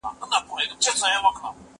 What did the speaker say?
هغه څوک چي سبزیجات تياروي روغ وي؟